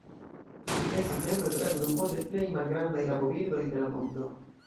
Ĝi estas membro de la grupo de plej malgrandaj rabobirdoj de la mondo.